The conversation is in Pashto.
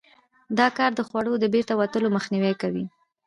دا کار د خوړو د بیرته وتلو مخنیوی کوي.